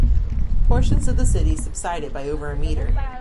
Portions of the city subsided by over a meter.